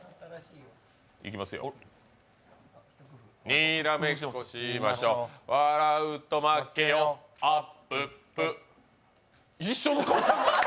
にーらめっこしましょ笑うと負けよあっぷっぷ。